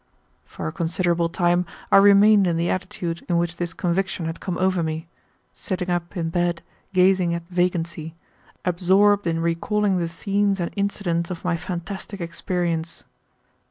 For a considerable time I remained in the attitude in which this conviction had come over me, sitting up in bed gazing at vacancy, absorbed in recalling the scenes and incidents of my fantastic experience.